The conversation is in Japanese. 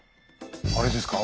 あれですか？